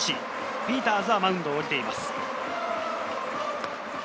ピーターズはマウンドを降りています。